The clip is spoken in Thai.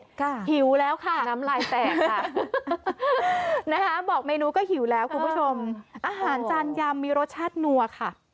หิวแล้วค่ะนะคะบอกเมนูก็หิวแล้วคุณผู้ชมอาหารจานยำมีรสชาตินั่วค่ะ